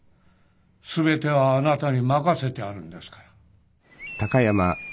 全てはあなたに任せてあるんですから。